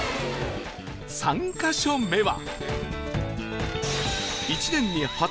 ３カ所目は